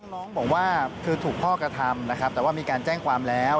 น้องบอกว่าคือถูกพ่อกระทำนะครับแต่ว่ามีการแจ้งความแล้ว